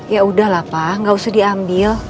ya udahlah pak nggak usah diambil